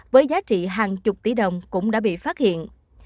với giá trị hàng chục tỷ đồng cũng đã bị phát hiện